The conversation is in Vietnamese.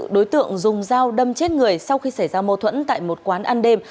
đối tượng dùng dao đâm chết người sau khi xảy ra mâu thuẫn tại một quán ăn đêm